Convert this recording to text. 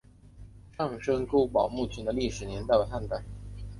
上深沟堡墓群的历史年代为汉代。